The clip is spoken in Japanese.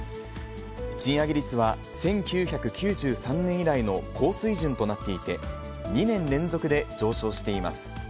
賃上げ率は、１９９３年以来の高水準となっていて、２年連続で上昇しています。